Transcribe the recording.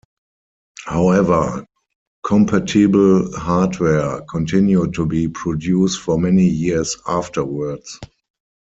However, compatible hardware continued to be produced for many years afterwards.